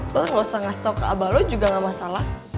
lo nggak usah ngasih tau ke abang lo juga nggak masalah